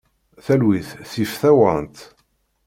Talwit tif tawant.